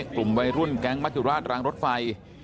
กลุ่มวัยรุ่นแก๊งมัจจุราชรางรถไฟ